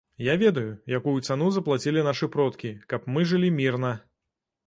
Я ведаю, якую цану заплацілі нашы продкі, каб мы жылі мірна.